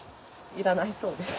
要らないそうです。